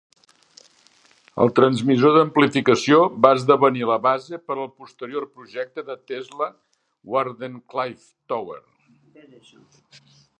El transmissor d'amplificació va esdevenir la base per al posterior projecte de Tesla Wardenclyffe Tower.